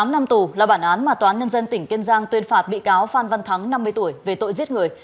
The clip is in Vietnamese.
tám năm tù là bản án mà toán nhân dân tỉnh kiên giang tuyên phạt bị cáo phan văn thắng năm mươi tuổi về tội giết người